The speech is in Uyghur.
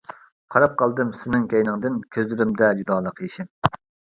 قاراپ قالدىم سېنىڭ كەينىڭدىن, كۆزلىرىمدە جۇدالىق يېشىم.